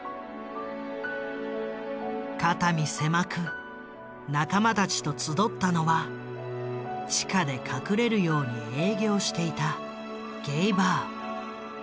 肩身狭く仲間たちと集ったのは地下で隠れるように営業していたゲイバー。